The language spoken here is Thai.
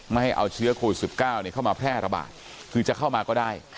ไม่ให้เอาเชื้อโควิด๑๙เข้ามาแพร่ระบาดคือจะเข้ามาก็ได้